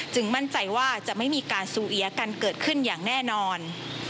มั่นใจว่าจะไม่มีการซูเอียกันเกิดขึ้นอย่างแน่นอน